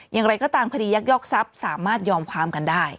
อย่างไรก็ตามคดียักยอกทรัพย์สามารถยอมความกันได้